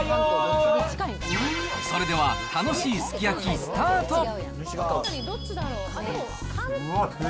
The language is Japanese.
それでは楽しいすき焼きスタート。